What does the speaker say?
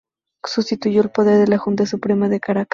Sustituyó en el poder a la Junta Suprema de Caracas.